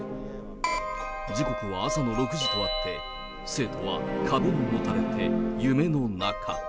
時刻は朝の６時とあって、生徒は壁にもたれて夢の中。